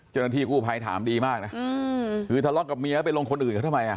เจ้าหน้าที่กู้ภัยถามดีมากนะคือทะเลาะกับเมียแล้วไปลงคนอื่นเขาทำไมอ่ะ